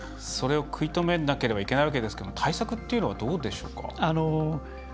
それを食い止めなければいけないわけですけれども対策というのはどうでしょうか？